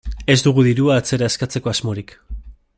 Ez dugu dirua atzera eskatzeko asmorik.